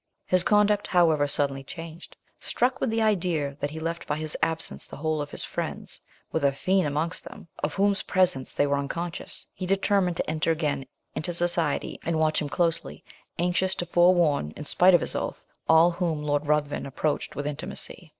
His conduct, however, suddenly changed. Struck with the idea that he left by his absence the whole of his friends, with a fiend amongst them, of whose presence they were unconscious, he determined to enter again into society, and watch him closely, anxious to forewarn, in spite of his oath, all whom Lord Ruthven approached with intimacy.